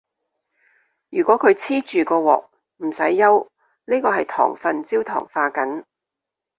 如果佢黐住個鑊，唔使憂，呢個係糖分焦糖化緊